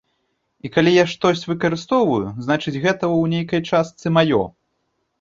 І калі я штосьці выкарыстоўваю, значыць гэта, ў нейкай частцы, маё.